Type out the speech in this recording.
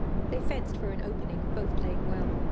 _] They fenced for an opening, both playing well.